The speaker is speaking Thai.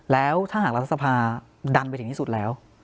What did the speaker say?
แล้วถ้าหากรัฐสภาดันไปถึงที่สุดแล้ว